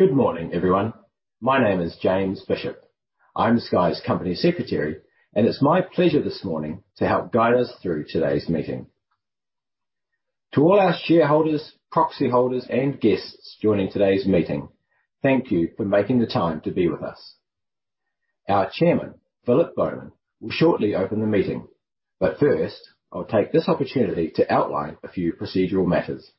Good morning, everyone. My name is James Bishop. I'm Sky's Company Secretary, and it's my pleasure this morning to help guide us through today's meeting. To all our shareholders, proxy holders, and guests joining today's meeting, thank you for making the time to be with us. Our Chairman, Philip Bowman, will shortly open the meeting. First, I'll take this opportunity to outline a few procedural matters.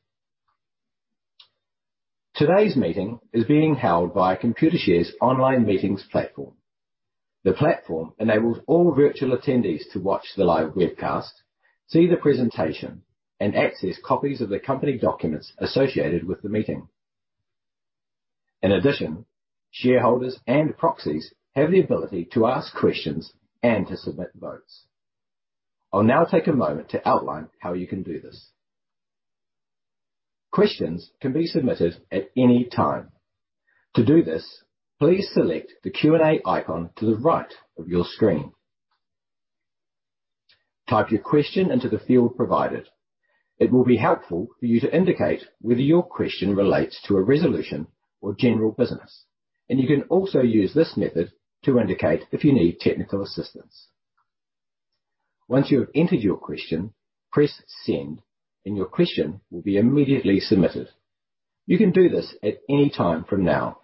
Today's meeting is being held via Computershare's online meetings platform. The platform enables all virtual attendees to watch the live webcast, see the presentation, and access copies of the company documents associated with the meeting. In addition, shareholders and proxies have the ability to ask questions and to submit votes. I'll now take a moment to outline how you can do this. Questions can be submitted at any time. To do this, please select the Q&A icon to the right of your screen. Type your question into the field provided. It will be helpful for you to indicate whether your question relates to a resolution or general business, and you can also use this method to indicate if you need technical assistance. Once you have entered your question, press Send, and your question will be immediately submitted. You can do this at any time from now.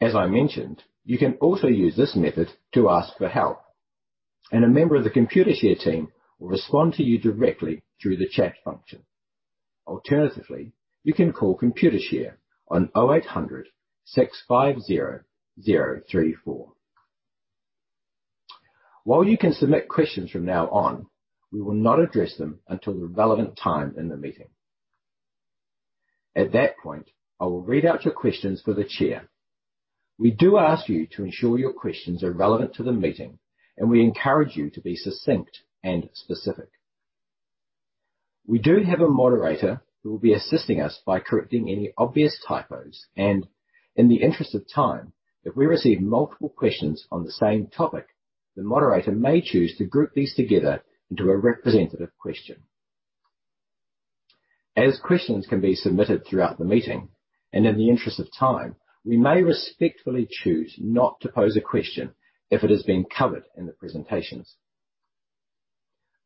As I mentioned, you can also use this method to ask for help, and a member of the Computershare team will respond to you directly through the chat function. Alternatively, you can call Computershare on 0800 650 034. While you can submit questions from now on, we will not address them until the relevant time in the meeting. At that point, I will read out your questions for the chair. We do ask you to ensure your questions are relevant to the meeting, and we encourage you to be succinct and specific. We do have a moderator who will be assisting us by correcting any obvious typos, and in the interest of time, if we receive multiple questions on the same topic, the moderator may choose to group these together into a representative question. As questions can be submitted throughout the meeting, and in the interest of time, we may respectfully choose not to pose a question if it has been covered in the presentations.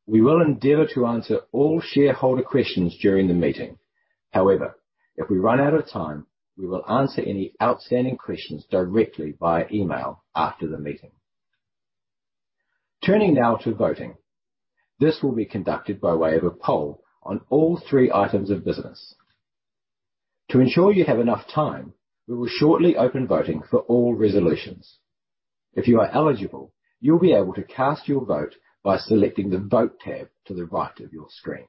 We will endeavor to answer all shareholder questions during the meeting. However, if we run out of time, we will answer any outstanding questions directly via email after the meeting. Turning now to voting. This will be conducted by way of a poll on all three items of business. To ensure you have enough time, we will shortly open voting for all resolutions. If you are eligible, you'll be able to cast your vote by selecting the Vote tab to the right of your screen.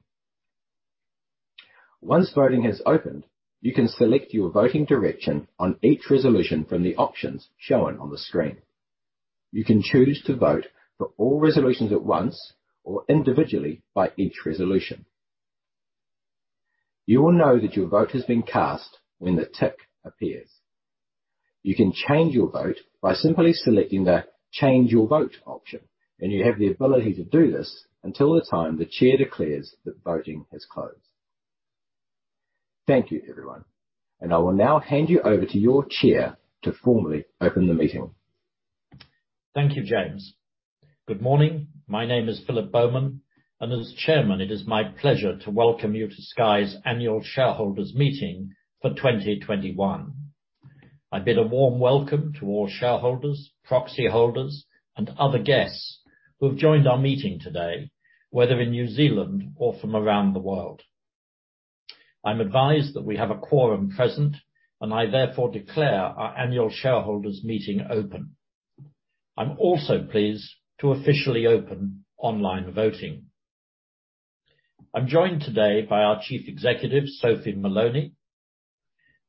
Once voting has opened, you can select your voting direction on each resolution from the options shown on the screen. You can choose to vote for all resolutions at once or individually by each resolution. You will know that your vote has been cast when the tick appears. You can change your vote by simply selecting the Change Your Vote option, and you have the ability to do this until the time the chair declares that voting has closed. Thank you, everyone, and I will now hand you over to your chair to formally open the meeting. Thank you, James. Good morning. My name is Philip Bowman, and as Chairman, it is my pleasure to welcome you to Sky's annual shareholders' meeting for 2021. I bid a warm welcome to all shareholders, proxy holders, and other guests who have joined our meeting today, whether in New Zealand or from around the world. I'm advised that we have a quorum present, and I therefore declare our annual shareholders' meeting open. I'm also pleased to officially open online voting. I'm joined today by our Chief Executive, Sophie Moloney,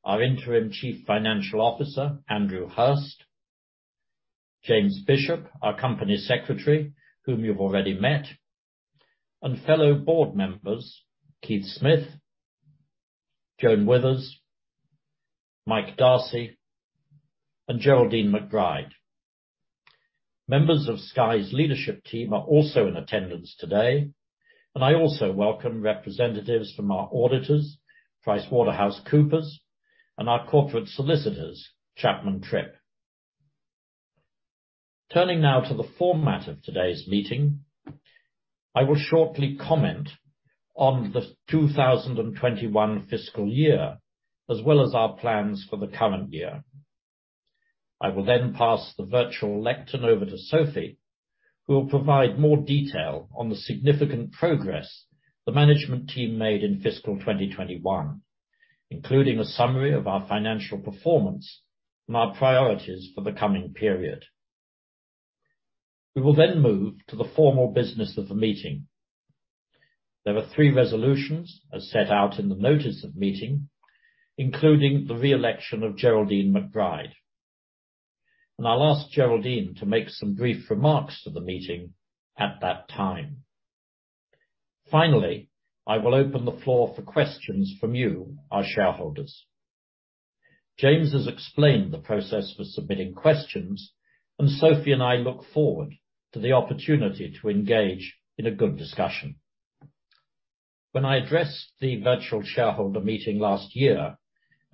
our Interim Chief Financial Officer, Andrew Hirst, James Bishop, our Company Secretary, whom you've already met, and fellow board members, Keith Smith, Joan Withers, Mike Darcey, and Geraldine McBride. Members of Sky's leadership team are also in attendance today, and I also welcome representatives from our auditors, PricewaterhouseCoopers, and our corporate solicitors, Chapman Tripp. Turning now to the format of today's meeting, I will shortly comment on the 2021 fiscal year, as well as our plans for the current year. I will then pass the virtual lectern over to Sophie, who will provide more detail on the significant progress the management team made in fiscal 2021, including a summary of our financial performance and our priorities for the coming period. We will then move to the formal business of the meeting. There are three resolutions as set out in the notice of meeting, including the re-election of Geraldine McBride. I'll ask Geraldine to make some brief remarks to the meeting at that time. Finally, I will open the floor for questions from you, our shareholders. James has explained the process for submitting questions, and Sophie and I look forward to the opportunity to engage in a good discussion. When I addressed the virtual shareholder meeting last year,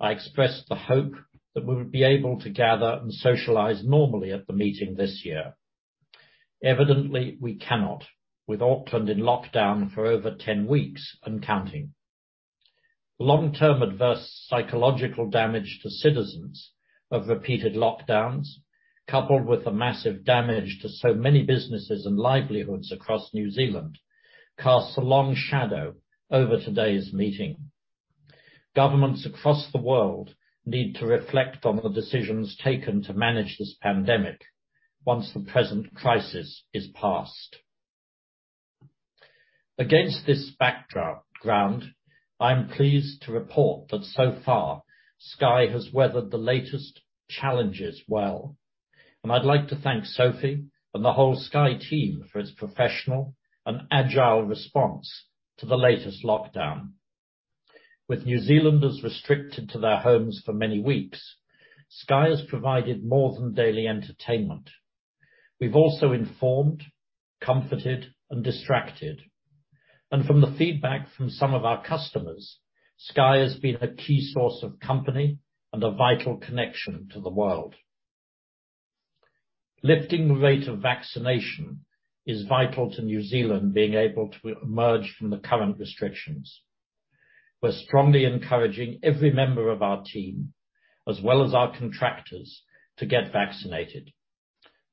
I expressed the hope that we would be able to gather and socialize normally at the meeting this year. Evidently, we cannot with Auckland in lockdown for over 10 weeks and counting. Long-term adverse psychological damage to citizens of repeated lockdowns, coupled with the massive damage to so many businesses and livelihoods across New Zealand, casts a long shadow over today's meeting. Governments across the world need to reflect on the decisions taken to manage this pandemic once the present crisis is passed. Against this backdrop, I'm pleased to report that so far, Sky has weathered the latest challenges well, and I'd like to thank Sophie and the whole Sky team for its professional and agile response to the latest lockdown. With New Zealanders restricted to their homes for many weeks, Sky has provided more than daily entertainment. We've also informed, comforted, and distracted. From the feedback from some of our customers, Sky has been a key source of companionship and a vital connection to the world. Lifting the rate of vaccination is vital to New Zealand being able to emerge from the current restrictions. We're strongly encouraging every member of our team, as well as our contractors, to get vaccinated.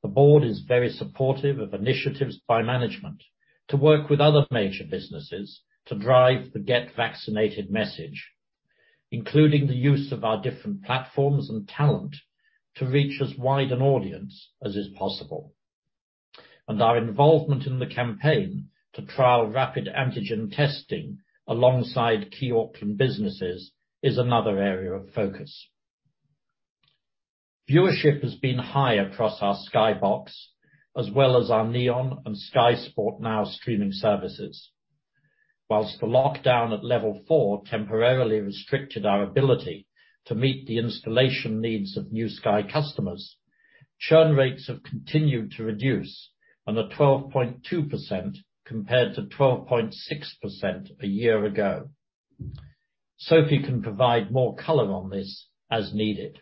The board is very supportive of initiatives by management to work with other major businesses to drive the get vaccinated message, including the use of our different platforms and talent to reach as wide an audience as is possible. Our involvement in the campaign to trial rapid antigen testing alongside key Auckland businesses is another area of focus. Viewership has been high across our Sky Box, as well as our Neon and Sky Sport Now streaming services. While the lockdown at level four temporarily restricted our ability to meet the installation needs of new Sky customers, churn rates have continued to reduce on the 12.2% compared to 12.6% a year ago. Sophie can provide more color on this as needed.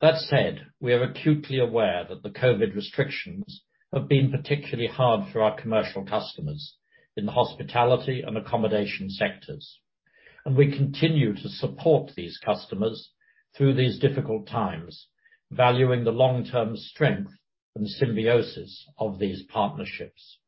That said, we are acutely aware that the COVID restrictions have been particularly hard for our commercial customers in the hospitality and accommodation sectors, and we continue to support these customers through these difficult times, valuing the long-term strength and symbiosis of these partnerships.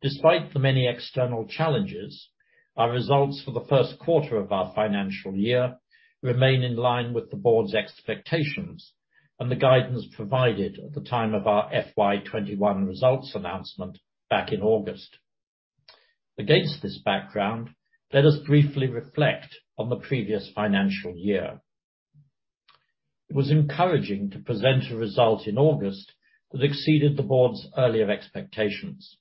Despite the many external challenges, our results for the first quarter of our financial year remain in line with the board's expectations and the guidance provided at the time of our FY 2021 results announcement back in August. Against this background, let us briefly reflect on the previous financial year. It was encouraging to present a result in August that exceeded the board's earlier expectations.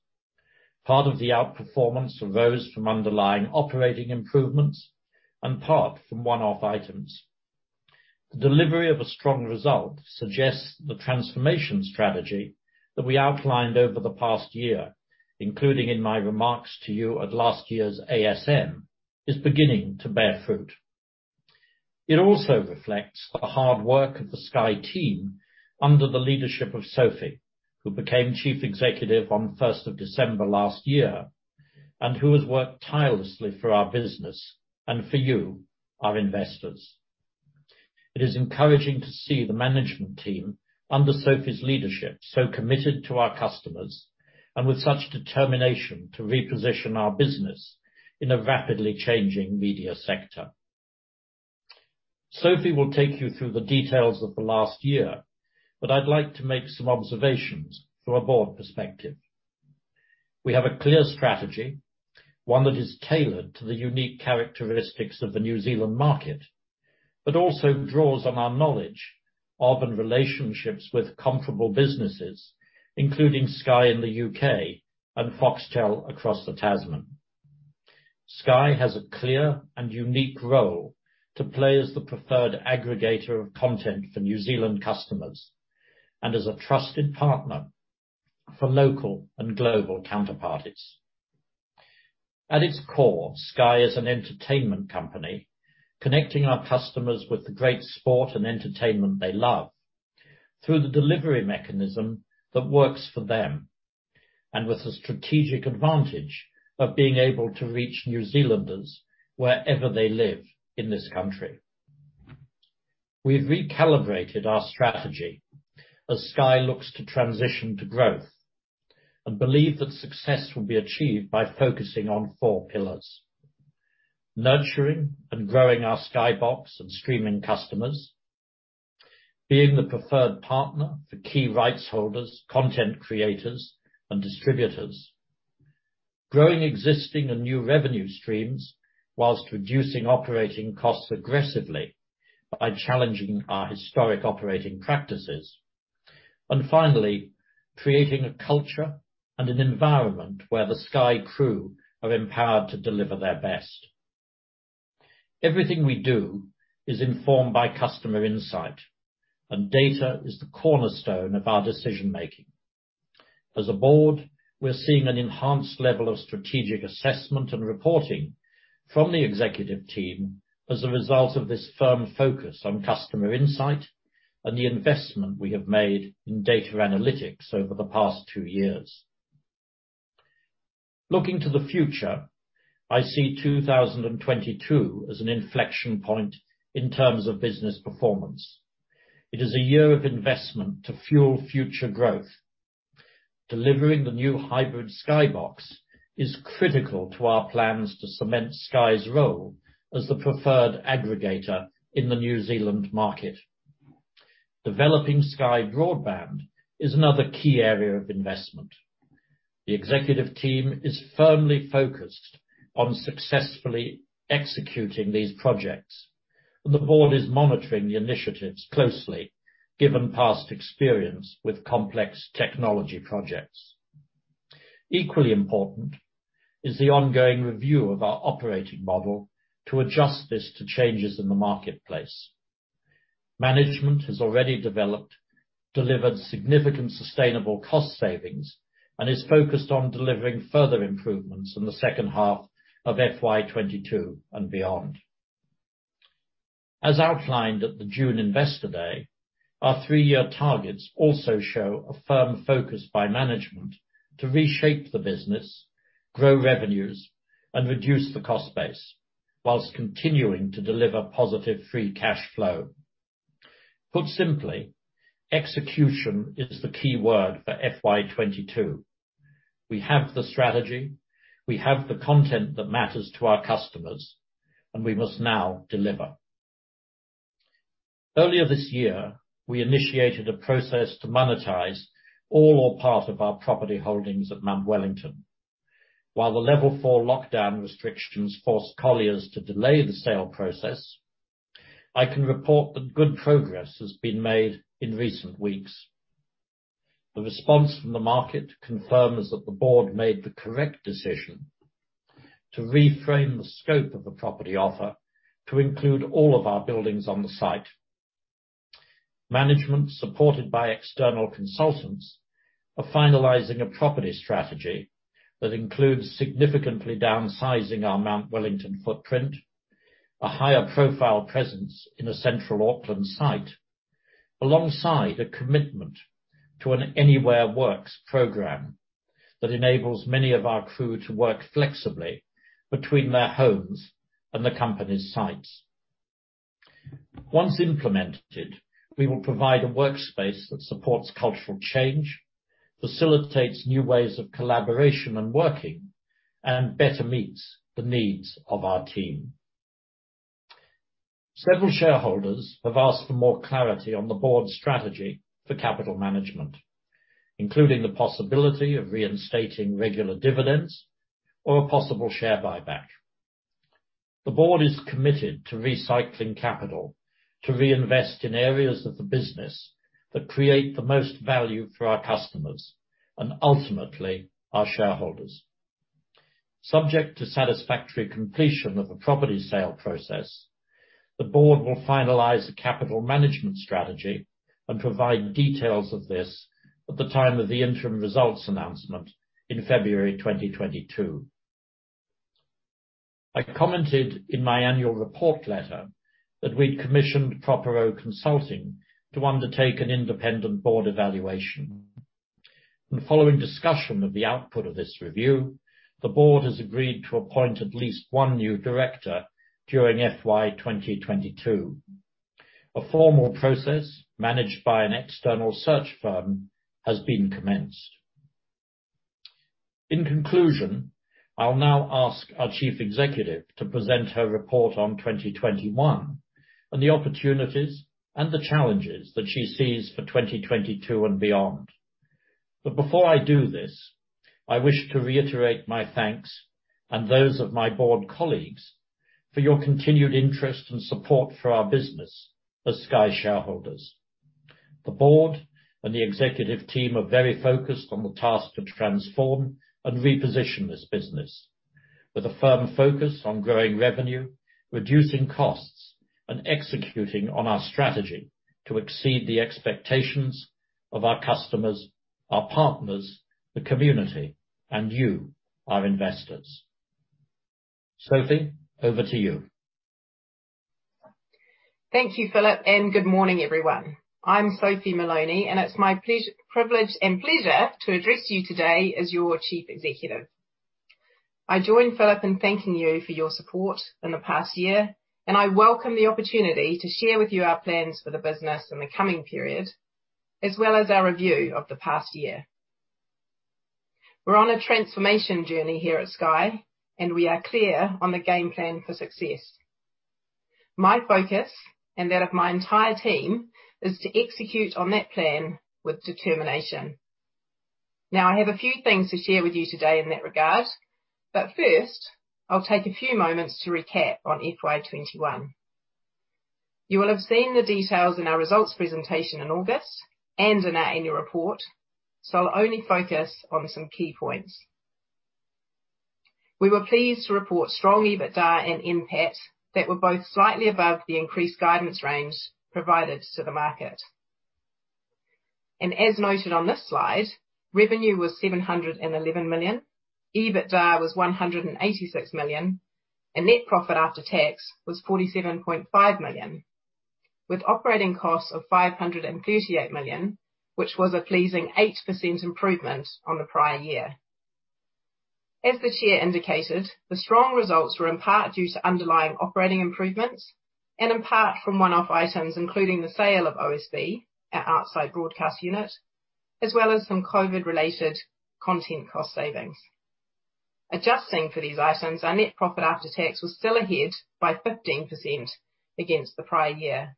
Part of the outperformance arose from underlying operating improvements and part from one-off items. The delivery of a strong result suggests the transformation strategy that we outlined over the past year, including in my remarks to you at last year's ASM, is beginning to bear fruit. It also reflects the hard work of the Sky team under the leadership of Sophie, who became Chief Executive on December 1st last year, and who has worked tirelessly for our business and for you, our investors. It is encouraging to see the management team under Sophie's leadership so committed to our customers and with such determination to reposition our business in a rapidly changing media sector. Sophie will take you through the details of the last year, but I'd like to make some observations from a board perspective. We have a clear strategy, one that is tailored to the unique characteristics of the New Zealand market, but also draws on our knowledge of and relationships with comparable businesses, including Sky in the U.K. and Foxtel across the Tasman. Sky has a clear and unique role to play as the preferred aggregator of content for New Zealand customers and as a trusted partner for local and global counterparties. At its core, Sky is an entertainment company connecting our customers with the great sport and entertainment they love through the delivery mechanism that works for them, and with the strategic advantage of being able to reach New Zealanders wherever they live in this country. We've recalibrated our strategy as Sky looks to transition to growth and believe that success will be achieved by focusing on four pillars: nurturing and growing our Sky Box and streaming customers, being the preferred partner for key rights holders, content creators, and distributors, growing existing and new revenue streams while reducing operating costs aggressively by challenging our historic operating practices. Finally, creating a culture and an environment where the Sky crew are empowered to deliver their best. Everything we do is informed by customer insight, and data is the cornerstone of our decision-making. As a board, we're seeing an enhanced level of strategic assessment and reporting from the executive team as a result of this firm focus on customer insight and the investment we have made in data analytics over the past two years. Looking to the future, I see 2022 as an inflection point in terms of business performance. It is a year of investment to fuel future growth. Delivering the new hybrid Sky Box is critical to our plans to cement Sky's role as the preferred aggregator in the New Zealand market. Developing Sky Broadband is another key area of investment. The executive team is firmly focused on successfully executing these projects, and the board is monitoring the initiatives closely, given past experience with complex technology projects. Equally important is the ongoing review of our operating model to adjust this to changes in the marketplace. Management has already developed and delivered significant sustainable cost savings, and is focused on delivering further improvements in the second half of FY 2022 and beyond. As outlined at the June Investor Day, our three-year targets also show a firm focus by management to reshape the business, grow revenues, and reduce the cost base, while continuing to deliver positive free cash flow. Put simply, execution is the key word for FY 2022. We have the strategy, we have the content that matters to our customers, and we must now deliver. Earlier this year, we initiated a process to monetize all or part of our property holdings at Mount Wellington. While the level 4 lockdown restrictions forced Colliers to delay the sale process, I can report that good progress has been made in recent weeks. The response from the market confirms that the board made the correct decision to reframe the scope of the property offer to include all of our buildings on the site. Management, supported by external consultants, are finalizing a property strategy that includes significantly downsizing our Mount Wellington footprint, a higher profile presence in the Central Auckland site, alongside a commitment to an Anywhere Works program that enables many of our crew to work flexibly between their homes and the company's sites. Once implemented, we will provide a workspace that supports cultural change, facilitates new ways of collaboration and working, and better meets the needs of our team. Several shareholders have asked for more clarity on the board's strategy for capital management, including the possibility of reinstating regular dividends or a possible share buyback. The board is committed to recycling capital, to reinvest in areas of the business that create the most value for our customers, and ultimately, our shareholders. Subject to satisfactory completion of the property sale process, the board will finalize a capital management strategy and provide details of this at the time of the interim results announcement in February 2022. I commented in my annual report letter that we'd commissioned Propero Consulting to undertake an independent board evaluation. Following discussion of the output of this review, the board has agreed to appoint at least one new director during FY 2022. A formal process managed by an external search firm has been commenced. In conclusion, I'll now ask our Chief Executive to present her report on 2021 and the opportunities and the challenges that she sees for 2022 and beyond. Before I do this, I wish to reiterate my thanks and those of my board colleagues, for your continued interest and support for our business as Sky shareholders. The board and the executive team are very focused on the task to transform and reposition this business with a firm focus on growing revenue, reducing costs, and executing on our strategy to exceed the expectations of our customers, our partners, the community, and you, our investors. Sophie, over to you. Thank you, Philip, and good morning, everyone. I'm Sophie Moloney, and it's my privilege and pleasure to address you today as your Chief Executive. I join Philip in thanking you for your support in the past year, and I welcome the opportunity to share with you our plans for the business in the coming period, as well as our review of the past year. We're on a transformation journey here at Sky, and we are clear on the game plan for success. My focus, and that of my entire team, is to execute on that plan with determination. Now, I have a few things to share with you today in that regard, but first, I'll take a few moments to recap on FY 2021. You will have seen the details in our results presentation in August and in our annual report. I'll only focus on some key points. We were pleased to report strong EBITDA and NPAT that were both slightly above the increased guidance range provided to the market. As noted on this slide, revenue was 711 million. EBITDA was 186 million, and net profit after tax was 47.5 million, with operating costs of 538 million, which was a pleasing 8% improvement on the prior year. As the chair indicated, the strong results were in part due to underlying operating improvements and in part from one-off items, including the sale of OSB, our outside broadcast unit, as well as some COVID-related content cost savings. Adjusting for these items, our net profit after tax was still ahead by 15% against the prior year.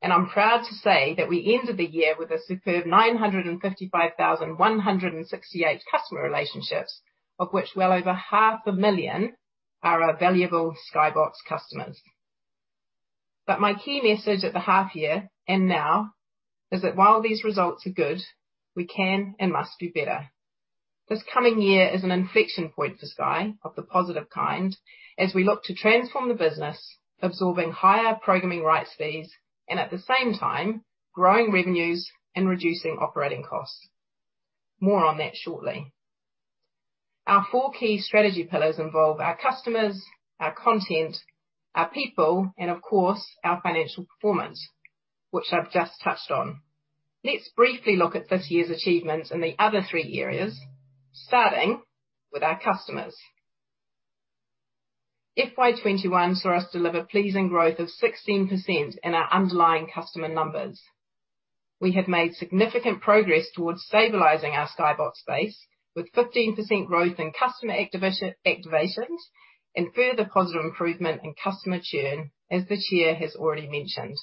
I'm proud to say that we ended the year with a superb 955,168 customer relationships, of which well over 500,000 are our valuable Sky Box customers. My key message at the half year and now is that while these results are good, we can and must do better. This coming year is an inflection point for Sky, of the positive kind, as we look to transform the business, absorbing higher programming rights fees and at the same time growing revenues and reducing operating costs. More on that shortly. Our 4 key strategy pillars involve our customers, our content, our people, and of course, our financial performance, which I've just touched on. Let's briefly look at this year's achievements in the other three areas, starting with our customers. FY 2021 saw us deliver pleasing growth of 16% in our underlying customer numbers. We have made significant progress towards stabilizing our Sky Box base, with 15% growth in customer activations and further positive improvement in customer churn, as the chair has already mentioned.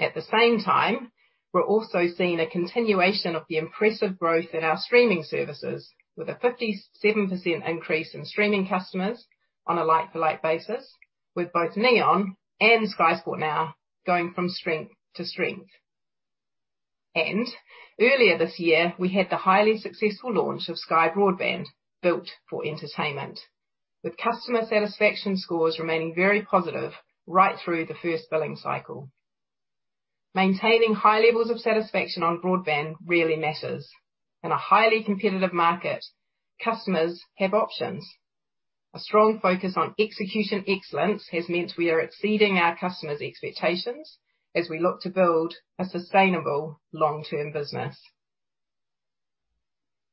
At the same time, we're also seeing a continuation of the impressive growth in our streaming services with a 57% increase in streaming customers on a like-for-like basis, with both Neon and Sky Sport Now going from strength to strength. Earlier this year, we had the highly successful launch of Sky Broadband, built for entertainment, with customer satisfaction scores remaining very positive right through the first billing cycle. Maintaining high levels of satisfaction on broadband really matters. In a highly competitive market, customers have options. A strong focus on execution excellence has meant we are exceeding our customers' expectations as we look to build a sustainable long-term business.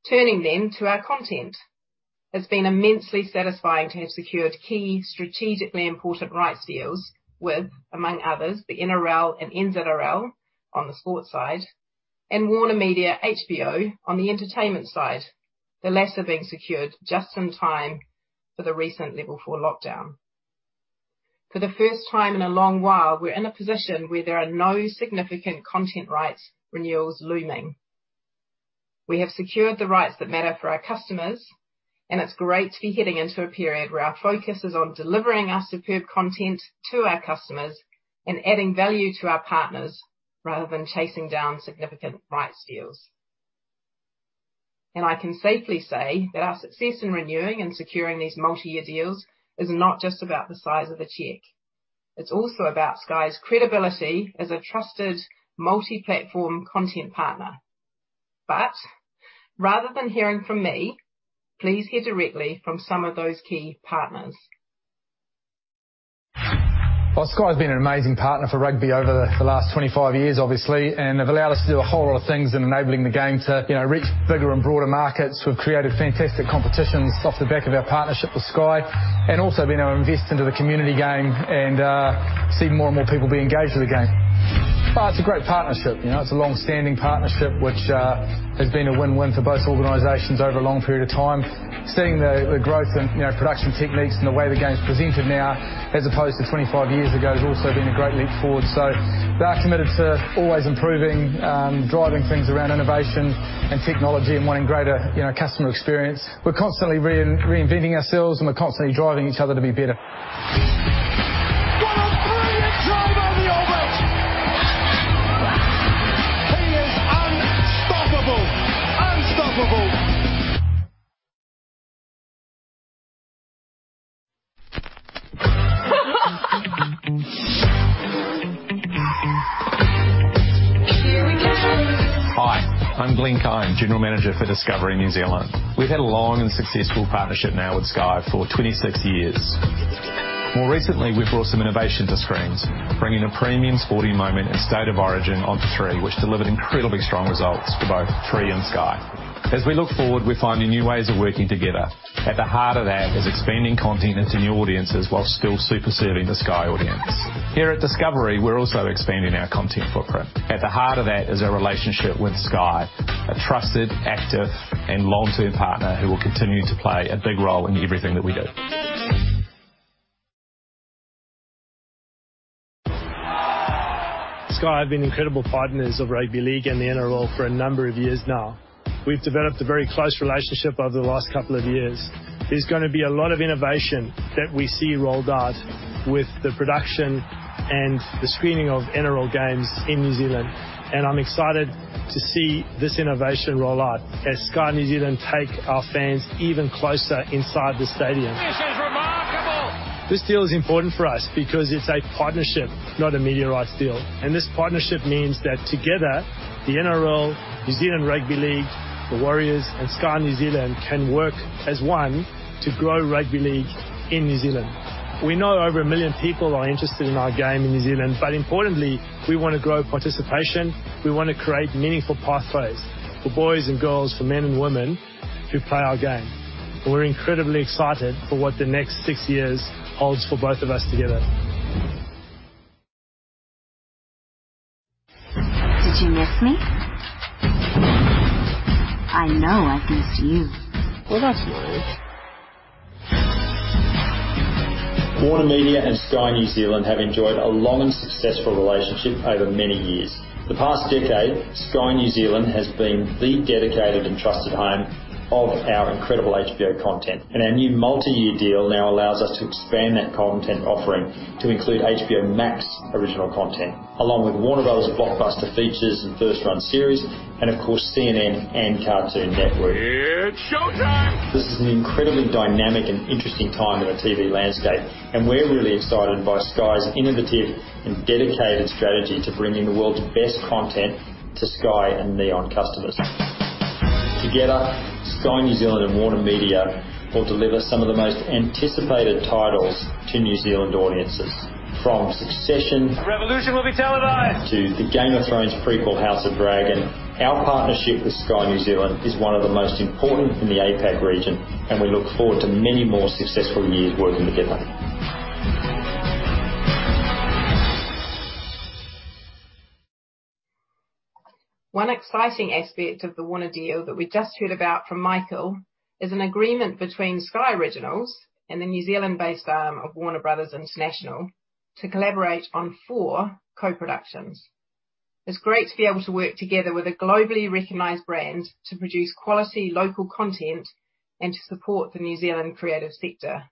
Turning to our content. It's been immensely satisfying to have secured key strategically important rights deals with, among others, the NRL and NZRL on the sports side and WarnerMedia HBO on the entertainment side, the latter being secured just in time for the recent level four lockdown. For the first time in a long while, we're in a position where there are no significant content rights renewals looming. We have secured the rights that matter for our customers, and it's great to be heading into a period where our focus is on delivering our superb content to our customers and adding value to our partners rather than chasing down significant rights deals. I can safely say that our success in renewing and securing these multi-year deals is not just about the size of a check. It's also about Sky's credibility as a trusted multi-platform content partner. Rather than hearing from me, please hear directly from some of those key partners. Well, Sky's been an amazing partner for Rugby over the last 25 years, obviously, and they've allowed us to do a whole lot of things in enabling the game to, you know, reach bigger and broader markets. We've created fantastic competitions off the back of our partnership with Sky, and also been able to invest into the community game and see more and more people be engaged with the game. Well, it's a great partnership. You know, it's a long-standing partnership which has been a win-win for both organizations over a long period of time. Seeing the growth in, you know, production techniques and the way the game's presented now, as opposed to 25 years ago, has also been a great leap forward. They are committed to always improving, driving things around innovation and technology and wanting greater, you know, customer experience. We're constantly reinventing ourselves and we're constantly driving each other to be better. Got a brilliant try by Ioane. He is unstoppable. Here we go. Hi, I'm Glen Kyne, General Manager for Discovery New Zealand. We've had a long and successful partnership now with Sky for 26 years. More recently, we've brought some innovation to screens, bringing a premium sporting moment and State of Origin onto Three, which delivered incredibly strong results for both Three and Sky. As we look forward, we're finding new ways of working together. At the heart of that is expanding content into new audiences while still super serving the Sky audience. Here at Discovery, we're also expanding our content footprint. At the heart of that is our relationship with Sky, a trusted, active, and long-term partner who will continue to play a big role in everything that we do. Sky have been incredible partners of Rugby League and the NRL for a number of years now. We've developed a very close relationship over the last couple of years. There's gonna be a lot of innovation that we see rolled out with the production and the screening of NRL games in New Zealand, and I'm excited to see this innovation roll out as Sky New Zealand take our fans even closer inside the stadium. This is remarkable. This deal is important for us because it's a partnership, not a media rights deal. This partnership means that together, the NRL, New Zealand Rugby League, the Warriors, and Sky New Zealand can work as one to grow Rugby League in New Zealand. We know over 1 million people are interested in our game in New Zealand, but importantly, we wanna grow participation, we wanna create meaningful pathways for boys and girls, for men and women who play our game. We're incredibly excited for what the next six years holds for both of us together. Did you miss me? I know I've missed you. Well, that's new. WarnerMedia and Sky New Zealand have enjoyed a long and successful relationship over many years. In the past decade, Sky New Zealand has been the dedicated and trusted home of our incredible HBO content, and our new multi-year deal now allows us to expand that content offering to include HBO Max original content, along with Warner Bros.' blockbuster features and first-run series and of course, CNN and Cartoon Network. It's showtime. This is an incredibly dynamic and interesting time in the TV landscape, and we're really excited by Sky's innovative and dedicated strategy to bringing the world's best content to Sky and Neon customers. Together, Sky New Zealand and WarnerMedia will deliver some of the most anticipated titles to New Zealand audiences, from Succession- The revolution will be televised. to the Game of Thrones prequel, House of the Dragon. Our partnership with Sky New Zealand is one of the most important in the APAC region, and we look forward to many more successful years working together. One exciting aspect of the Warner deal that we just heard about from Michael is an agreement between Sky Originals and the New Zealand-based arm of Warner Bros. International to collaborate on four co-productions. It's great to be able to work together with a globally recognized brand to produce quality local content and to support the New Zealand creative sector.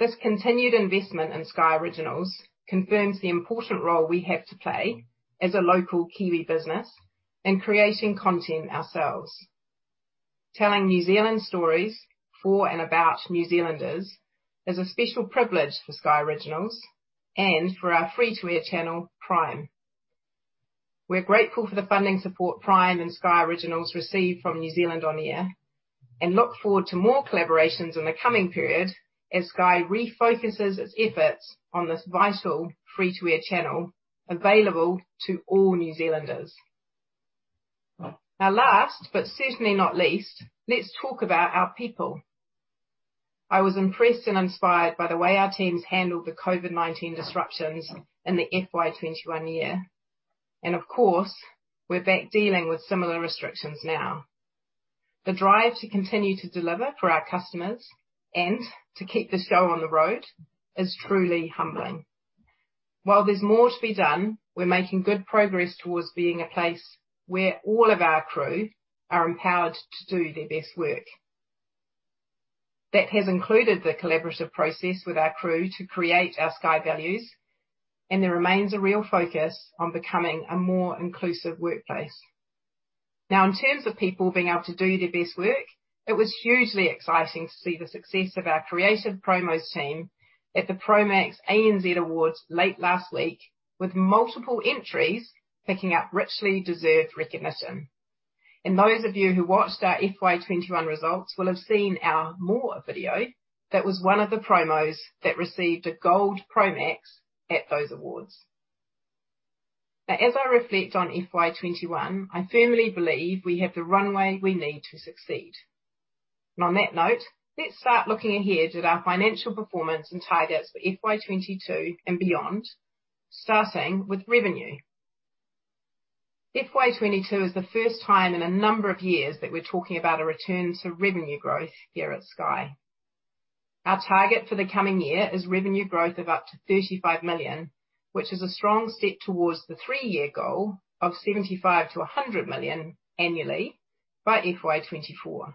This continued investment in Sky Originals confirms the important role we have to play as a local Kiwi business in creating content ourselves. Telling New Zealand stories for and about New Zealanders is a special privilege for Sky Originals and for our free-to-air channel, Prime. We're grateful for the funding support Prime and Sky Originals receive from New Zealand On Air and look forward to more collaborations in the coming period as Sky refocuses its efforts on this vital free-to-air channel available to all New Zealanders. Now last, but certainly not least, let's talk about our people. I was impressed and inspired by the way our teams handled the COVID-19 disruptions in the FY 2021 year. Of course, we're back dealing with similar restrictions now. The drive to continue to deliver for our customers and to keep the show on the road is truly humbling. While there's more to be done, we're making good progress towards being a place where all of our crew are empowered to do their best work. That has included the collaborative process with our crew to create our Sky values, and there remains a real focus on becoming a more inclusive workplace. Now, in terms of people being able to do their best work, it was hugely exciting to see the success of our creative promos team at the Promax ANZ Awards late last week, with multiple entries picking up richly deserved recognition. Those of you who watched our FY 2021 results will have seen our More video that was one of the promos that received a Gold Promax at those awards. Now, as I reflect on FY 2021, I firmly believe we have the runway we need to succeed. On that note, let's start looking ahead at our financial performance and targets for FY 2022 and beyond, starting with revenue. FY 2022 is the first time in a number of years that we're talking about a return to revenue growth here at Sky. Our target for the coming year is revenue growth of up to 35 million, which is a strong step towards the three-year goal of 75 million-100 million annually by FY 2024.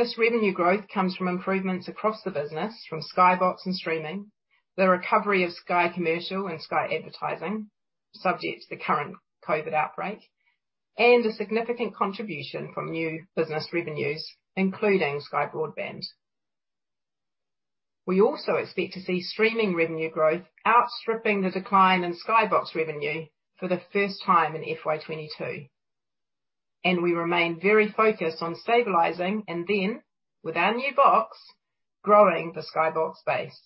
This revenue growth comes from improvements across the business from Sky Box and streaming, the recovery of Sky Commercial and Sky Advertising, subject to the current COVID outbreak, and a significant contribution from new business revenues, including Sky Broadband. We also expect to see streaming revenue growth outstripping the decline in Sky Box revenue for the first time in FY 2022. We remain very focused on stabilizing and then, with our new box, growing the Sky Box base.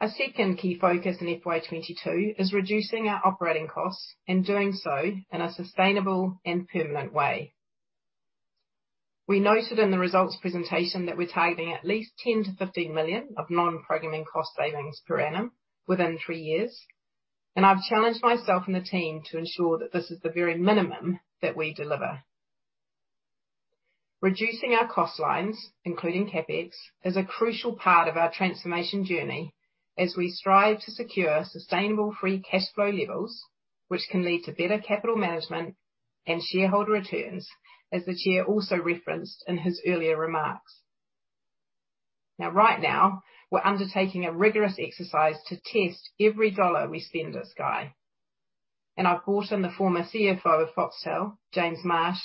Our second key focus in FY 2022 is reducing our operating costs and doing so in a sustainable and permanent way. We noted in the results presentation that we're targeting at least 10 million-15 million of non-programming cost savings per annum within three years, and I've challenged myself and the team to ensure that this is the very minimum that we deliver. Reducing our cost lines, including CapEx, is a crucial part of our transformation journey as we strive to secure sustainable free cash flow levels, which can lead to better capital management and shareholder returns, as the Chair also referenced in his earlier remarks. Now, right now, we're undertaking a rigorous exercise to test every dollar we spend at Sky. I've brought in the former CFO of Foxtel, James Marsh,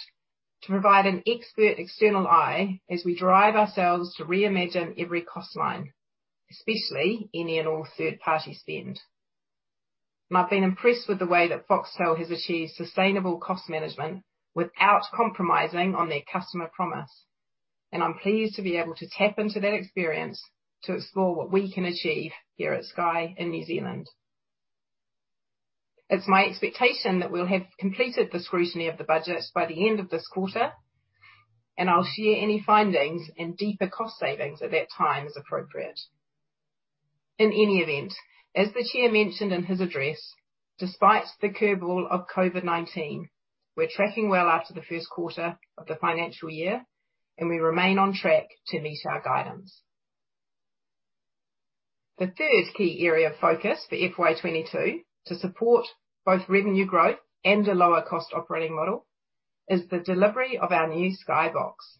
to provide an expert external eye as we drive ourselves to reimagine every cost line, especially any and all third-party spend. I've been impressed with the way that Foxtel has achieved sustainable cost management without compromising on their customer promise. I'm pleased to be able to tap into that experience to explore what we can achieve here at Sky in New Zealand. It's my expectation that we'll have completed the scrutiny of the budget by the end of this quarter, and I'll share any findings and deeper cost savings at that time as appropriate. In any event, as the Chair mentioned in his address, despite the curveball of COVID-19, we're tracking well after the first quarter of the financial year, and we remain on track to meet our guidance. The third key area of focus for FY 2022 to support both revenue growth and a lower cost operating model is the delivery of our new Sky Box.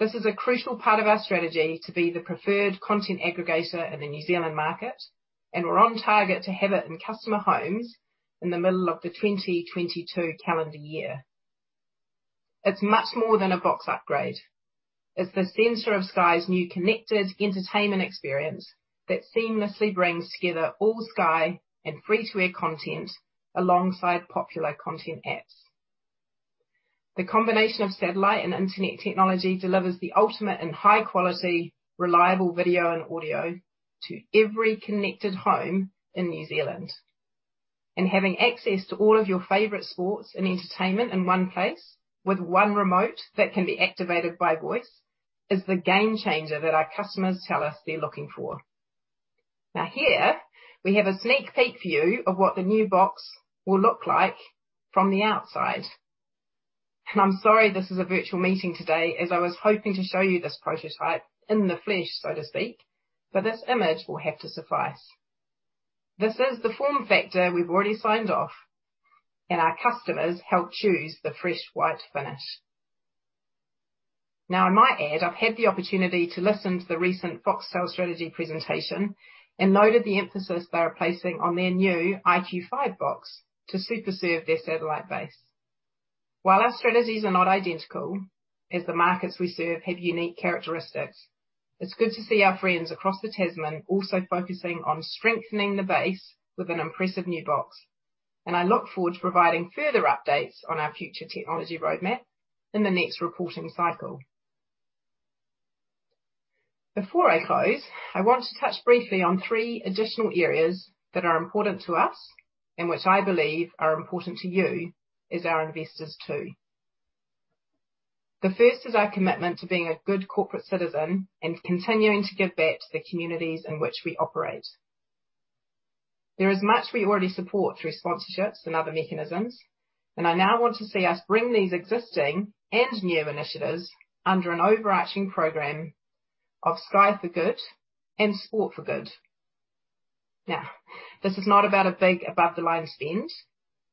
This is a crucial part of our strategy to be the preferred content aggregator in the New Zealand market, and we're on target to have it in customer homes in the middle of the 2022 calendar year. It's much more than a box upgrade. It's the center of Sky's new connected entertainment experience that seamlessly brings together all Sky and free-to-air content alongside popular content apps. The combination of satellite and internet technology delivers the ultimate in high quality, reliable video and audio to every connected home in New Zealand. Having access to all of your favorite sports and entertainment in one place with one remote that can be activated by voice is the game changer that our customers tell us they're looking for. Now here, we have a sneak peek view of what the new box will look like from the outside. I'm sorry this is a virtual meeting today, as I was hoping to show you this prototype in the flesh, so to speak, but this image will have to suffice. This is the form factor we've already signed off, and our customers helped choose the fresh white finish. Now, I might add, I've had the opportunity to listen to the recent Foxtel strategy presentation and noted the emphasis they are placing on their new iQ5 box to super serve their satellite base. While our strategies are not identical, as the markets we serve have unique characteristics, it's good to see our friends across the Tasman also focusing on strengthening the base with an impressive new box. I look forward to providing further updates on our future technology roadmap in the next reporting cycle. Before I close, I want to touch briefly on three additional areas that are important to us and which I believe are important to you as our investors too. The first is our commitment to being a good corporate citizen and continuing to give back to the communities in which we operate. There is much we already support through sponsorships and other mechanisms, and I now want to see us bring these existing and new initiatives under an overarching program of Sky for Good and Sport for Good. Now, this is not about a big above-the-line spend,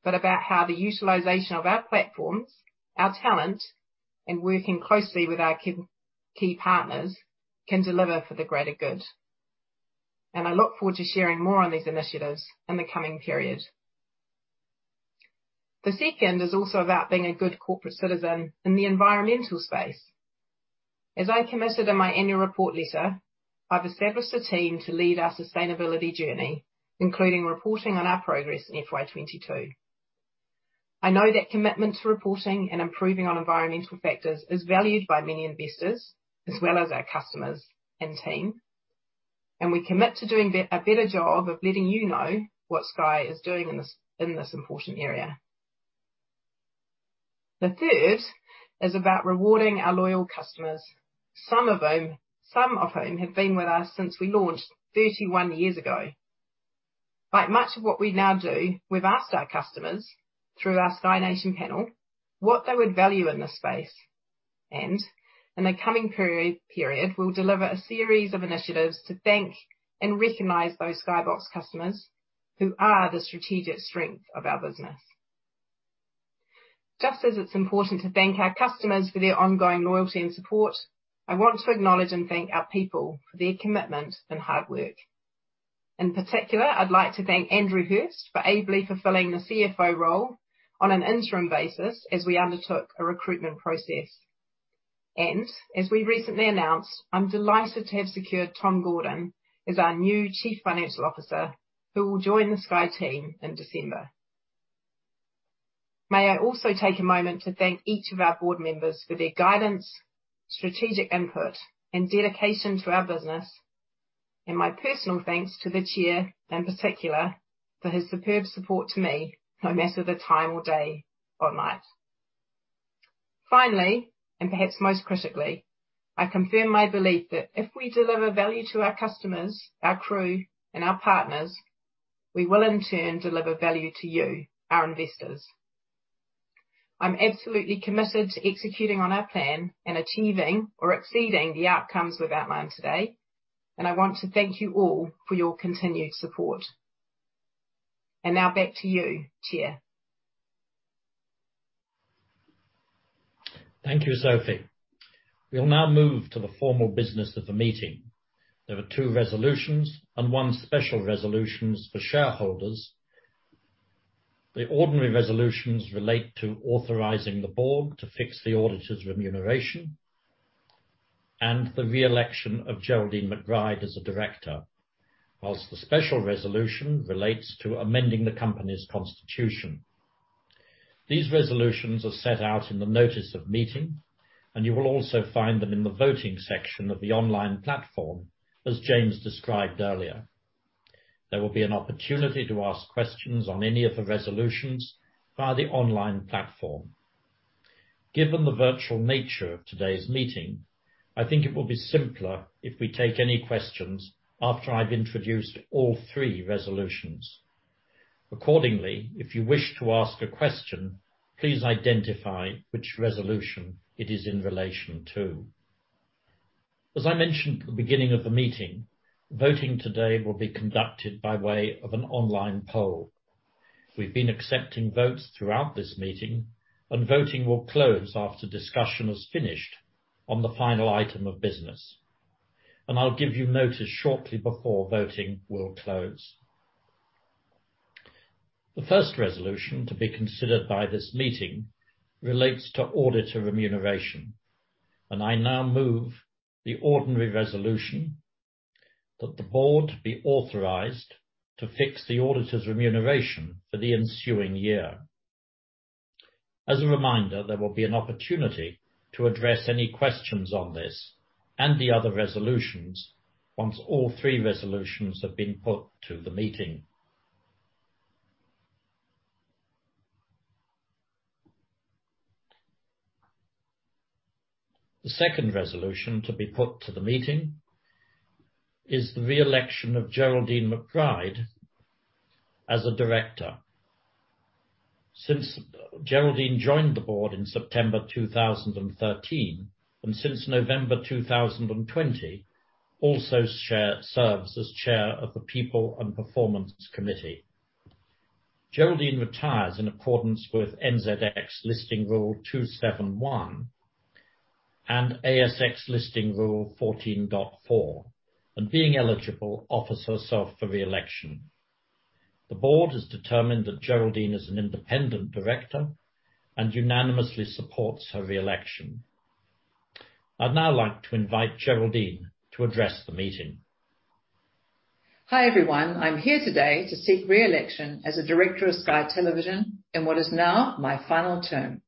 but about how the utilization of our platforms, our talent, and working closely with our key partners can deliver for the greater good. I look forward to sharing more on these initiatives in the coming period. The second is also about being a good corporate citizen in the environmental space. As I committed in my annual report letter, I've established a team to lead our sustainability journey, including reporting on our progress in FY 2022. I know that commitment to reporting and improving on environmental factors is valued by many investors as well as our customers and team, and we commit to doing a better job of letting you know what Sky is doing in this important area. The third is about rewarding our loyal customers, some of whom have been with us since we launched 31 years ago. Like much of what we now do, we've asked our customers through our Sky Nation panel what they would value in this space. In the coming period, we'll deliver a series of initiatives to thank and recognize those Sky Box customers who are the strategic strength of our business. Just as it's important to thank our customers for their ongoing loyalty and support, I want to acknowledge and thank our people for their commitment and hard work. In particular, I'd like to thank Andrew Hirst for ably fulfilling the CFO role on an interim basis as we undertook a recruitment process. As we recently announced, I'm delighted to have secured Tom Gordon as our new Chief Financial Officer, who will join the Sky team in December. May I also take a moment to thank each of our board members for their guidance, strategic input, and dedication to our business, and my personal thanks to the Chair in particular, for his superb support to me, no matter the time or day or night. Finally, and perhaps most critically, I confirm my belief that if we deliver value to our customers, our crew, and our partners. We will in turn deliver value to you, our investors. I'm absolutely committed to executing on our plan and achieving or exceeding the outcomes we've outlined today, and I want to thank you all for your continued support. Now back to you, Chair. Thank you, Sophie. We'll now move to the formal business of the meeting. There are two resolutions and one special resolutions for shareholders. The ordinary resolutions relate to authorizing the board to fix the auditor's remuneration and the re-election of Geraldine McBride as a Director. While the special resolution relates to amending the company's constitution. These resolutions are set out in the notice of meeting, and you will also find them in the voting section of the online platform, as James described earlier. There will be an opportunity to ask questions on any of the resolutions via the online platform. Given the virtual nature of today's meeting, I think it will be simpler if we take any questions after I've introduced all three resolutions. Accordingly, if you wish to ask a question, please identify which resolution it is in relation to. As I mentioned at the beginning of the meeting, voting today will be conducted by way of an online poll. We've been accepting votes throughout this meeting, and voting will close after discussion is finished on the final item of business. I'll give you notice shortly before voting will close. The first resolution to be considered by this meeting relates to auditor remuneration, and I now move the ordinary resolution that the board be authorized to fix the auditor's remuneration for the ensuing year. As a reminder, there will be an opportunity to address any questions on this and the other resolutions once all three resolutions have been put to the meeting. The second resolution to be put to the meeting is the re-election of Geraldine McBride as a Director. Since Geraldine joined the board in September 2013, and since November 2020, serves as chair of the People and Performance Committee. Geraldine retires in accordance with NZX Listing Rule 2.7.1 and ASX Listing Rule 14.4, and being eligible, offers herself for re-election. The board has determined that Geraldine is an independent director and unanimously supports her re-election. I'd now like to invite Geraldine to address the meeting. Hi, everyone. I'm here today to seek re-election as a director of Sky Television in what is now my final term.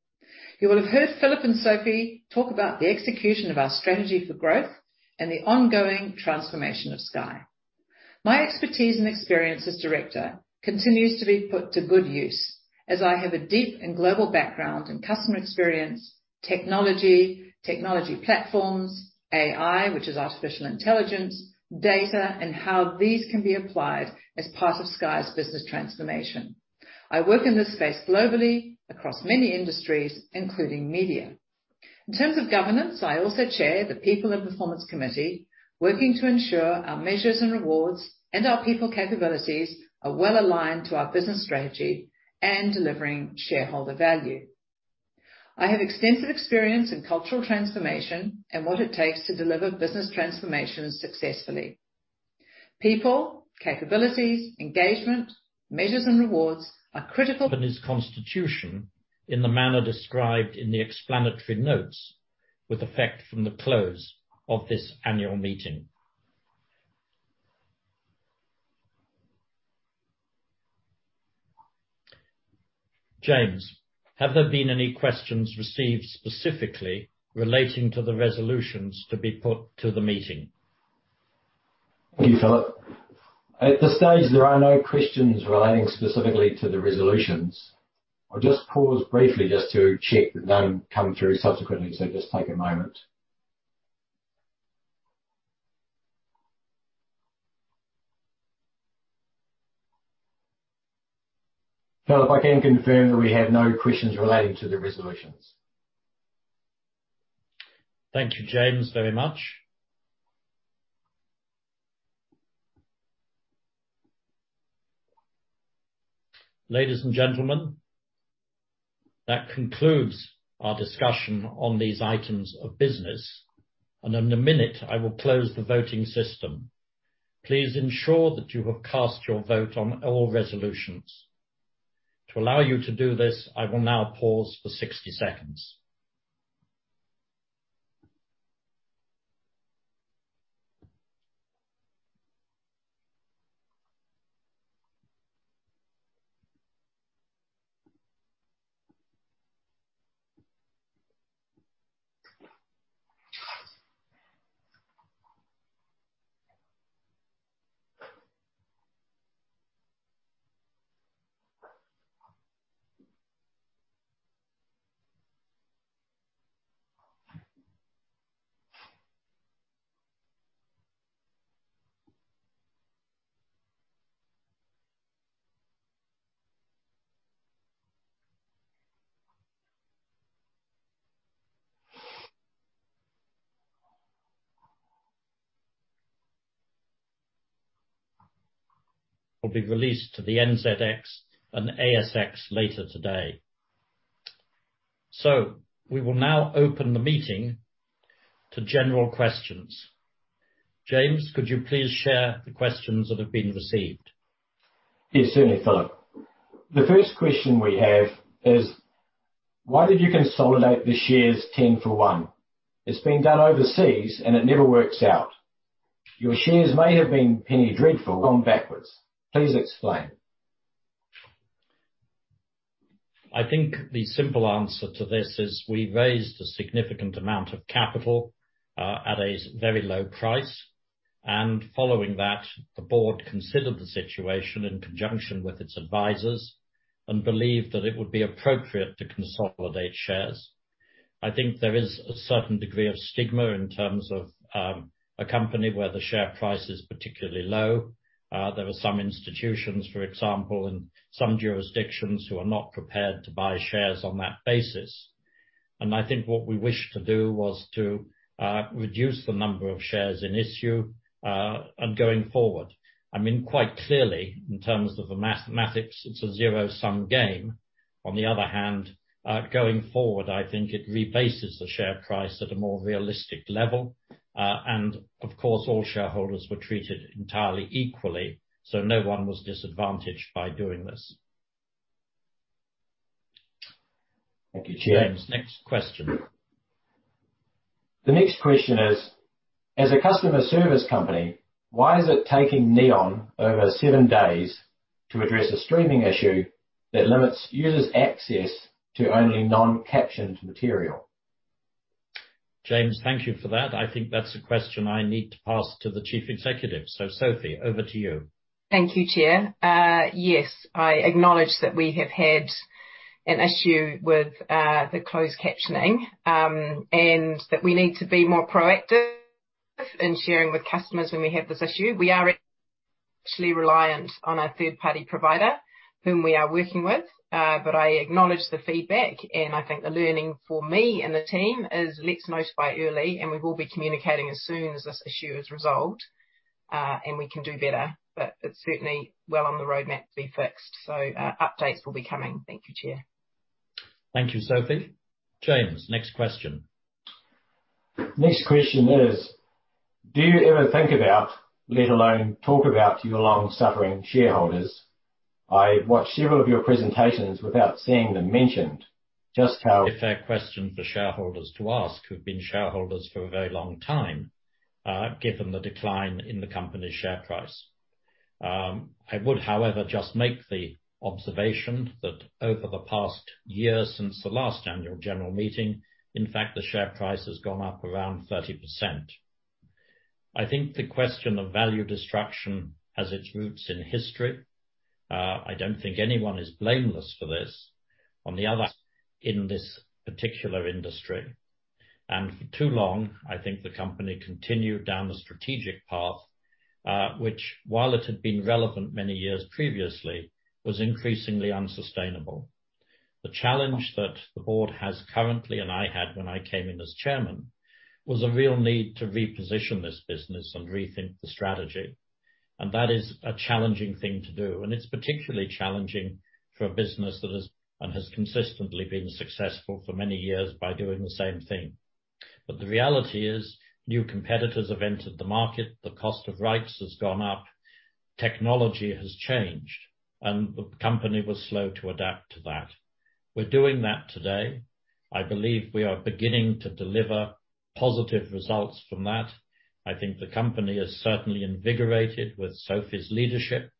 You will have heard Philip and Sophie talk about the execution of our strategy for growth and the ongoing transformation of Sky. My expertise and experience as director continues to be put to good use as I have a deep and global background in customer experience, technology platforms, AI, which is artificial intelligence, data, and how these can be applied as part of Sky's business transformation. I work in this space globally across many industries, including media. In terms of governance, I also chair the People and Performance Committee, working to ensure our measures and rewards and our people capabilities are well-aligned to our business strategy and delivering shareholder value. I have extensive experience in cultural transformation and what it takes to deliver business transformation successfully. People, capabilities, engagement, measures, and rewards are critical. Company's constitution in the manner described in the explanatory notes with effect from the close of this annual meeting. James, have there been any questions received specifically relating to the resolutions to be put to the meeting? Thank you, Philip. At this stage, there are no questions relating specifically to the resolutions. I'll just pause briefly just to check that none come through subsequently, so just take a moment. Philip, I can confirm that we have no questions relating to the resolutions. Thank you, James, very much. Ladies and gentlemen, that concludes our discussion on these items of business, and in a minute, I will close the voting system. Please ensure that you have cast your vote on all resolutions. To allow you to do this, I will now pause for 60 seconds. Will be released to the NZX and ASX later today. We will now open the meeting to general questions. James, could you please share the questions that have been received? Yes, certainly, Philip. The first question we have is: why did you consolidate the shares 10 for one? It's been done overseas, and it never works out. Your shares may have been penny dreadful going backwards. Please explain. I think the simple answer to this is we raised a significant amount of capital at a very low price. Following that, the board considered the situation in conjunction with its advisors and believed that it would be appropriate to consolidate shares. I think there is a certain degree of stigma in terms of a company where the share price is particularly low. There are some institutions, for example, in some jurisdictions who are not prepared to buy shares on that basis. I think what we wished to do was to reduce the number of shares in issue and going forward. I mean, quite clearly, in terms of the mathematics, it's a zero-sum game. On the other hand, going forward, I think it rebases the share price at a more realistic level. Of course, all shareholders were treated entirely equally, so no one was disadvantaged by doing this. Thank you, Chair. James, next question. The next question is: as a customer service company, why is it taking Neon over 7 days to address a streaming issue that limits users' access to only noncaptioned material? James, thank you for that. I think that's a question I need to pass to the Chief Executive. Sophie, over to you. Thank you, Chair. Yes, I acknowledge that we have had an issue with the closed captioning, and that we need to be more proactive in sharing with customers when we have this issue. We are actually reliant on a third-party provider whom we are working with. I acknowledge the feedback, and I think the learning for me and the team is let's notify early, and we will be communicating as soon as this issue is resolved. We can do better, but it's certainly well on the roadmap to be fixed. Updates will be coming. Thank you, Chair. Thank you, Sophie. James, next question. Next question is: Do you ever think about, let alone talk about, your long-suffering shareholders? I watched several of your presentations without seeing them mentioned. Just how- A fair question for shareholders to ask, who've been shareholders for a very long time, given the decline in the company's share price. I would, however, just make the observation that over the past year since the last annual general meeting, in fact, the share price has gone up around 30%. I think the question of value destruction has its roots in history. I don't think anyone is blameless for this. On the other hand, in this particular industry, and for too long, I think the company continued down the strategic path, which while it had been relevant many years previously, was increasingly unsustainable. The challenge that the board has currently, and I had when I came in as Chairman, was a real need to reposition this business and rethink the strategy. That is a challenging thing to do, and it's particularly challenging for a business that has and has consistently been successful for many years by doing the same thing. The reality is new competitors have entered the market, the cost of rights has gone up, technology has changed, and the company was slow to adapt to that. We're doing that today. I believe we are beginning to deliver positive results from that. I think the company is certainly invigorated with Sophie's leadership,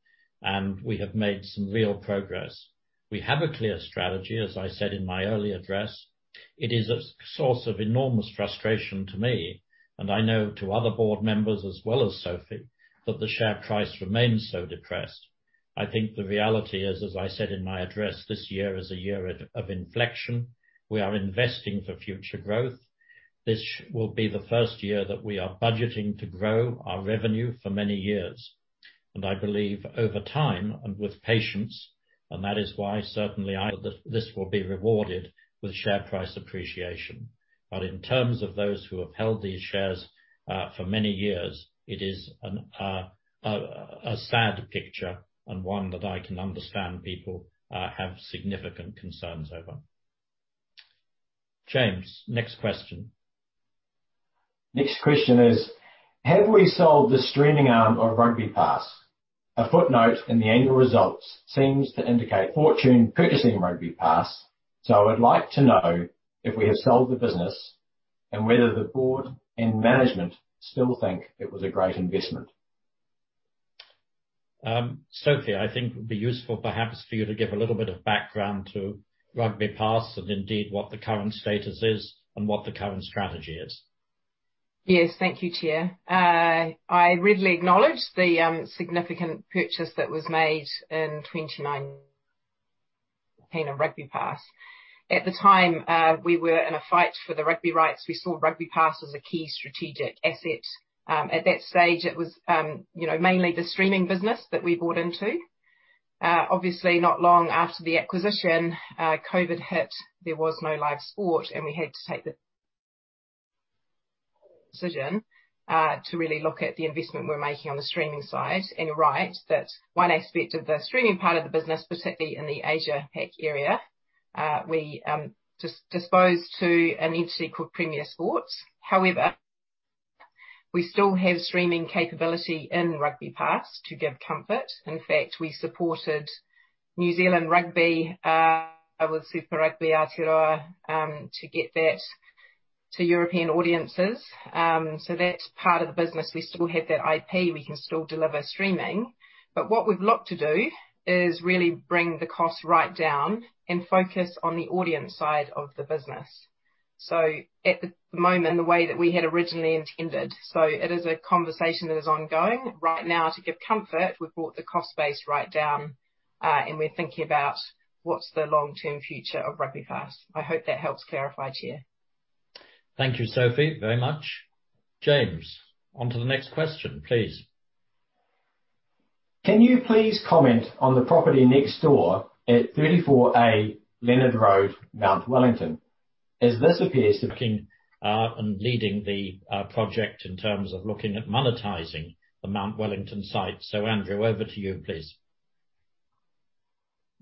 and we have made some real progress. We have a clear strategy, as I said in my early address. It is a source of enormous frustration to me, and I know to other board members as well as Sophie, that the share price remains so depressed. I think the reality is, as I said in my address, this year is a year of inflection. We are investing for future growth. This will be the first year that we are budgeting to grow our revenue for many years. I believe over time and with patience, and that is why certainly that this will be rewarded with share price appreciation. In terms of those who have held these shares for many years, it is a sad picture and one that I can understand people have significant concerns over. James, next question. Next question is: have we sold the streaming arm or RugbyPass? A footnote in the annual results seems to indicate Fortune purchasing RugbyPass, so I'd like to know if we have sold the business and whether the board and management still think it was a great investment. Sophie, I think it would be useful perhaps for you to give a little bit of background to RugbyPass and indeed what the current status is and what the current strategy is. Yes. Thank you, Chair. I readily acknowledge the significant purchase that was made in 2019 RugbyPass. At the time, we were in a fight for the rugby rights. We saw RugbyPass as a key strategic asset. At that stage, it was, you know, mainly the streaming business that we bought into. Obviously, not long after the acquisition, COVID hit, there was no live sport, and we had to take the decision to really look at the investment we're making on the streaming side. You're right, that one aspect of the streaming part of the business, particularly in the Asia PAC area, we disposed to an entity called Premier Sports. However, we still have streaming capability in RugbyPass to give comfort. In fact, we supported New Zealand Rugby with Super Rugby Aotearoa to get that to European audiences. That's part of the business. We still have that IP. We can still deliver streaming. What we've looked to do is really bring the cost right down and focus on the audience side of the business. At the moment, the way that we had originally intended, it is a conversation that is ongoing right now to give comfort. We've brought the cost base right down, and we're thinking about what's the long-term future of RugbyPass. I hope that helps clarify, Chair. Thank you, Sophie, very much. James, on to the next question, please. Can you please comment on the property next door at 34A Leonard Road, Mount Wellington, as this appears to? Leading the project in terms of looking at monetizing the Mount Wellington site. Andrew, over to you, please.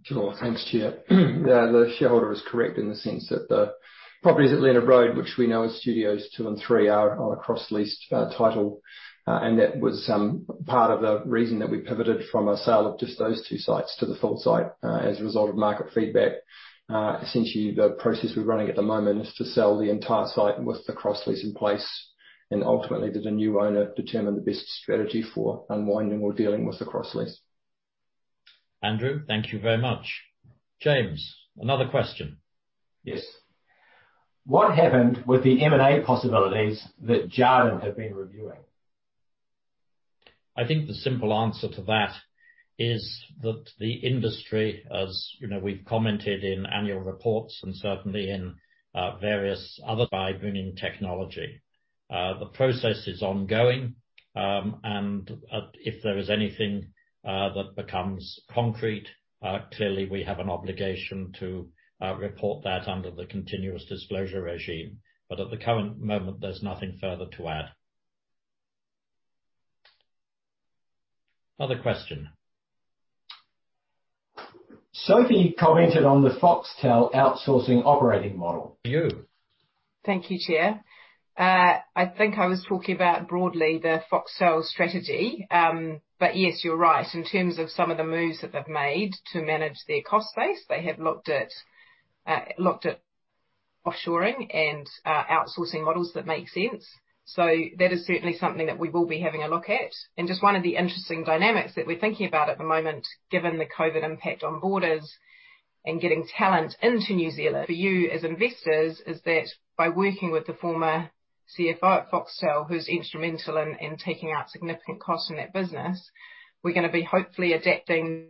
Sure. Thanks, Chair. Yeah, the shareholder is correct in the sense that the properties at Leonard Road, which we know as studios 2 and 3, are on a cross-lease title. That was part of the reason that we pivoted from a sale of just those 2 sites to the full site as a result of market feedback. Essentially, the process we're running at the moment is to sell the entire site with the cross-lease in place, and ultimately let a new owner determine the best strategy for unwinding or dealing with the cross-lease. Andrew, thank you very much. James, another question. Yes. What happened with the M&A possibilities that Jarden had been reviewing? I think the simple answer to that is that the industry, as you know, we've commented in annual reports and certainly in various other by bringing technology. The process is ongoing. If there is anything that becomes concrete, clearly we have an obligation to report that under the continuous disclosure regime. At the current moment, there's nothing further to add. Another question. Sophie commented on the Foxtel outsourcing operating model. Over to you. Thank you, Chair. I think I was talking about broadly the Foxtel strategy. Yes, you're right. In terms of some of the moves that they've made to manage their cost base, they have looked at offshoring and outsourcing models that make sense. That is certainly something that we will be having a look at. Just one of the interesting dynamics that we're thinking about at the moment, given the COVID impact on borders and getting talent into New Zealand for you as investors, is that by working with the former CFO at Foxtel, who's instrumental in taking out significant cost in that business, we're gonna be hopefully adapting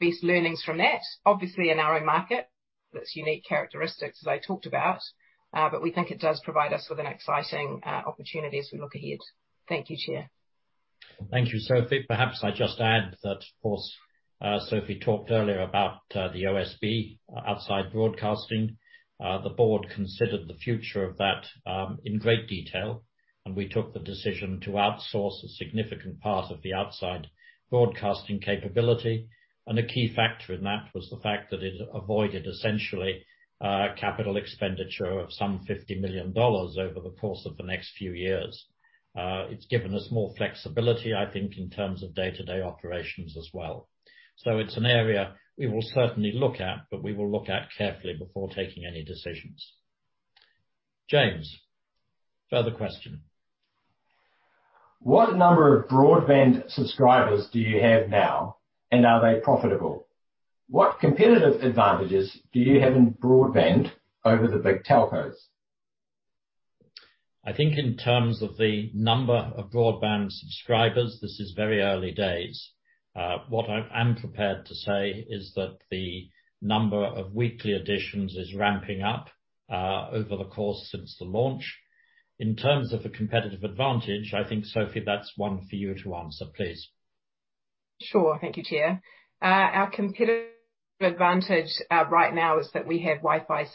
best learnings from that. Obviously, in our own market, that's unique characteristics, as I talked about. We think it does provide us with an exciting opportunity as we look ahead. Thank you, Chair. Thank you, Sophie. Perhaps I just add that, of course, Sophie talked earlier about the OSB, Outside Broadcasting. The board considered the future of that in great detail, and we took the decision to outsource a significant part of the Outside Broadcasting capability. A key factor in that was the fact that it avoided essentially capital expenditure of some 50 million dollars over the course of the next few years. It's given us more flexibility, I think, in terms of day-to-day operations as well. It's an area we will certainly look at, but we will look at carefully before taking any decisions. James, further question. What number of broadband subscribers do you have now, and are they profitable? What competitive advantages do you have in broadband over the big telcos? I think in terms of the number of broadband subscribers, this is very early days. What I am prepared to say is that the number of weekly additions is ramping up, over the course since the launch. In terms of a competitive advantage, I think, Sophie, that's one for you to answer, please. Sure. Thank you, Chair. Our competitive advantage right now is that we have Wi-Fi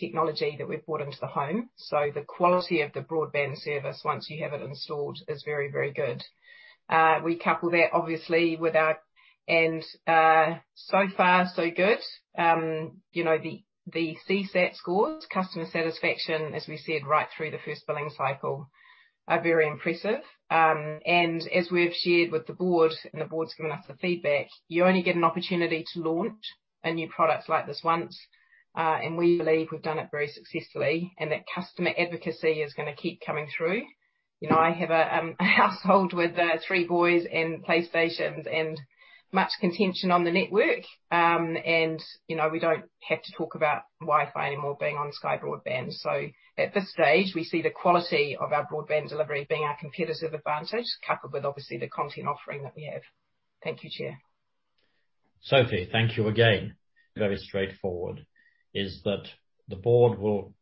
technology that we've brought into the home. The quality of the broadband service, once you have it installed, is very, very good. So far so good. You know, the CSAT scores, customer satisfaction, as we said, right through the first billing cycle, are very impressive. As we've shared with the board, and the board's given us the feedback, you only get an opportunity to launch a new product like this once. We believe we've done it very successfully, and that customer advocacy is gonna keep coming through. You know, I have a household with three boys and PlayStations and much contention on the network. You know, we don't have to talk about Wi-Fi anymore being on Sky Broadband. At this stage, we see the quality of our broadband delivery being our competitive advantage, coupled with obviously the content offering that we have. Thank you, Chair. Sophie, thank you again. Very straightforward is that the board will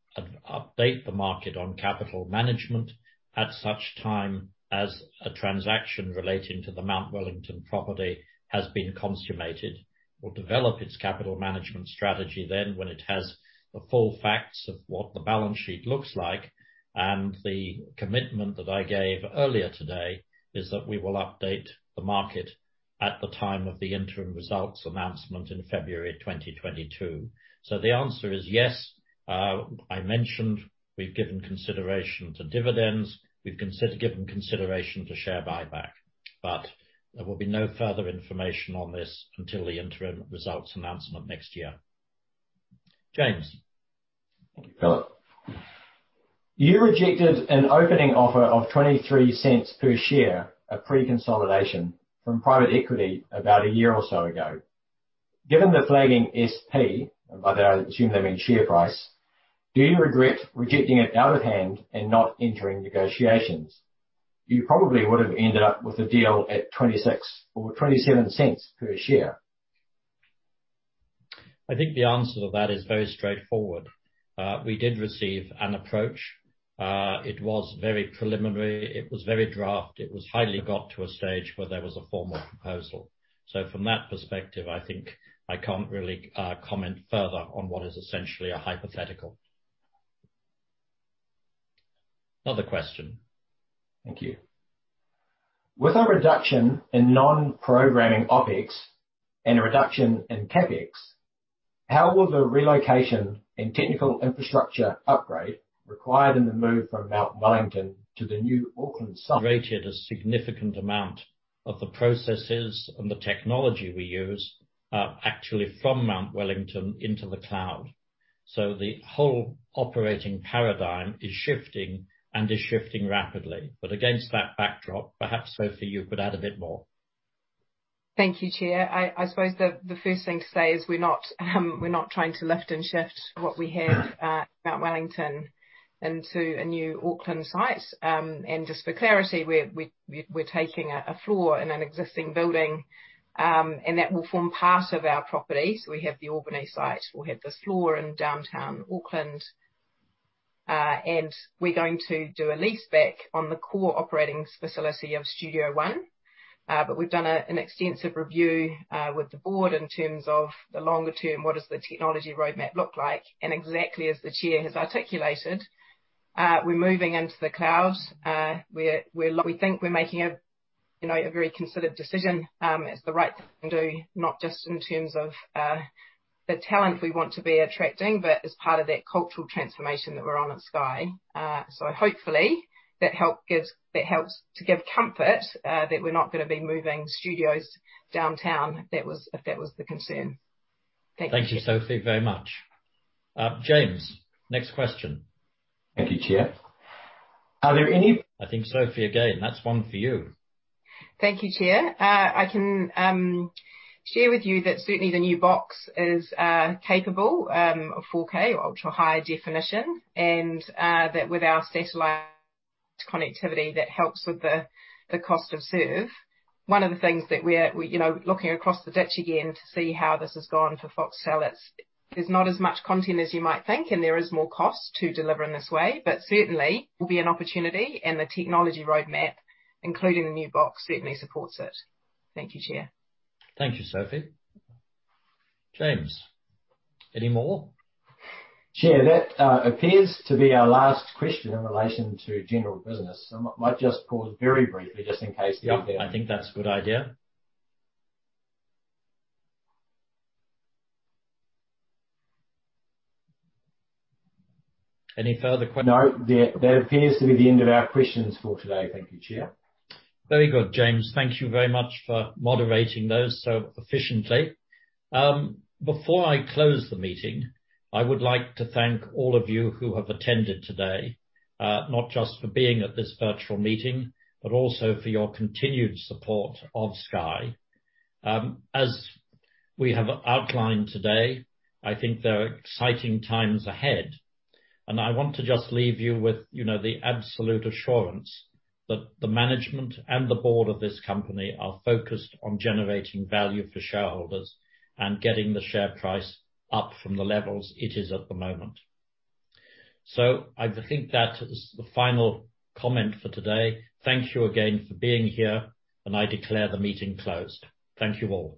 update the market on capital management at such time as a transaction relating to the Mount Wellington property has been consummated or develop its capital management strategy then when it has the full facts of what the balance sheet looks like. The commitment that I gave earlier today is that we will update the market at the time of the interim results announcement in February 2022. The answer is yes. I mentioned we've given consideration to dividends, we've given consideration to share buyback. There will be no further information on this until the interim results announcement next year. James. Thank you, Philip. You rejected an opening offer of 0.23 per share, a pre-consolidation from private equity about a year or so ago. Given the flagging SP, by that I assume they mean share price, do you regret rejecting it out of hand and not entering negotiations? You probably would have ended up with a deal at 0.26 or 0.27 per share. I think the answer to that is very straightforward. We did receive an approach. It was very preliminary. It was very draft. It hardly got to a stage where there was a formal proposal. From that perspective, I think I can't really comment further on what is essentially a hypothetical. Another question. Thank you. With a reduction in non-programming OpEx and a reduction in CapEx, how will the relocation and technical infrastructure upgrade required in the move from Mount Wellington to the new Auckland site? Migrated a significant amount of the processes and the technology we use, actually, from Mount Wellington into the cloud. The whole operating paradigm is shifting rapidly. Against that backdrop, perhaps, Sophie, you could add a bit more. Thank you, Chair. I suppose the first thing to say is we're not trying to lift and shift what we have, Mount Wellington into a new Auckland site. Just for clarity, we're taking a floor in an existing building, and that will form part of our property. We have the Albany site, we'll have this floor in downtown Auckland, and we're going to do a leaseback on the core operating facility of Studio One. But we've done an extensive review with the board in terms of the longer term, what does the technology roadmap look like? Exactly as the chair has articulated, we're moving into the cloud. We think we're making a very considered decision as the right thing to do, not just in terms of the talent we want to be attracting, but as part of that cultural transformation that we're on at Sky. Hopefully that helps to give comfort that we're not gonna be moving studios downtown if that was the concern. Thank you. Thank you, Sophie, very much. James, next question. Thank you, Chair. Are there any. I think Sophie again, that's one for you. Thank you, Chair. I can share with you that certainly the new box is capable of 4K or ultra-high definition, and that with our satellite connectivity, that helps with the cost of serve. One of the things that we're you know, looking across the ditch again to see how this has gone for Foxtel, it's, there's not as much content as you might think, and there is more cost to deliver in this way, but certainly will be an opportunity. The technology roadmap, including the new box, certainly supports it. Thank you, Chair. Thank you, Sophie. James, any more? Chair, that appears to be our last question in relation to general business. I might just pause very briefly just in case. Yeah, I think that's a good idea. No, there, that appears to be the end of our questions for today. Thank you, Chair. Very good, James. Thank you very much for moderating those so efficiently. Before I close the meeting, I would like to thank all of you who have attended today, not just for being at this virtual meeting, but also for your continued support of Sky. As we have outlined today, I think there are exciting times ahead, and I want to just leave you with, you know, the absolute assurance that the management and the board of this company are focused on generating value for shareholders and getting the share price up from the levels it is at the moment. I think that is the final comment for today. Thank you again for being here, and I declare the meeting closed. Thank you all.